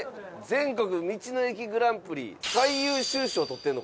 全国道の駅グランプリ最優秀賞取ってるの？